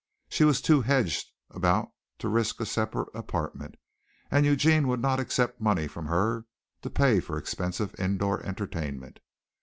She was too hedged about to risk a separate apartment, and Eugene would not accept money from her to pay for expensive indoor entertainment.